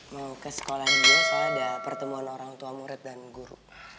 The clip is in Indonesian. mau ke sekolah dulu soalnya ada pertemuan orang tua murid dan guru